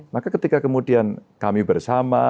maka ketika kemudian kami bersama